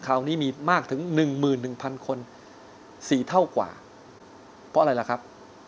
คราวนี้มีมากถึง๑๑๐๐คน๔เท่ากว่าเพราะอะไรล่ะครับ